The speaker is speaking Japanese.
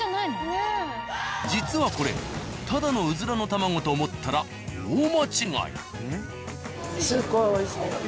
実はこれただのうずらの卵と思ったら大間違い！